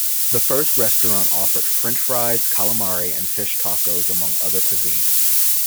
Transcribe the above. The first restaurant offered French fries, calamari, and fish tacos, among other cuisine.